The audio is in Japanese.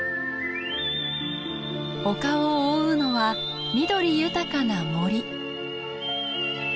丘を覆うのは緑豊かな森。